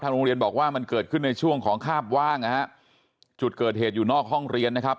โรงเรียนบอกว่ามันเกิดขึ้นในช่วงของคาบว่างนะฮะจุดเกิดเหตุอยู่นอกห้องเรียนนะครับ